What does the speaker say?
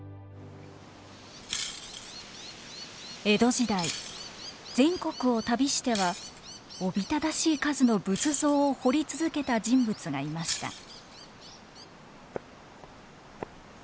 江戸時代全国を旅してはおびただしい数の仏像を彫り続けた人物がいました。